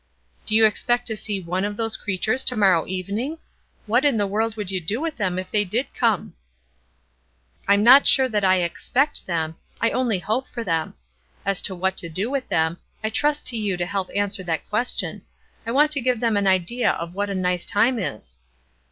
"Do you expect to see one of the creatures to morrow evening? What in the world would you do with them if they did come?" "I'm not sure that I expect them. I only hope for them. As to what to do with them, I trust to you to help answer that question. I want to give them an idea of what a nice time is."